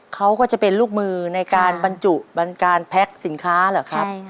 เขาก็จะเป็นลูกมือในการบรรจุบันการแพ็คสินค้าเหรอครับ